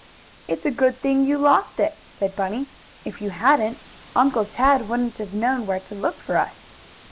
"It's a good thing you lost it," said Bunny. "If you hadn't, Uncle Tad wouldn't have known where to look for us."